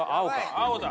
青だ。